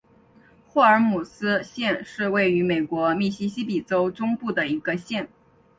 霍尔姆斯县是位于美国密西西比州中部的一个县。